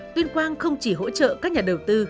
tuyên quang không chỉ hỗ trợ các nhà đầu tư